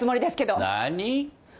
何？